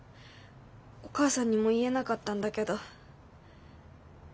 お母さんにも言えなかったんだけど。